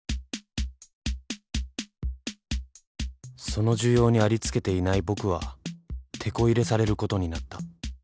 その需要にありつけていない僕はてこ入れされることになった。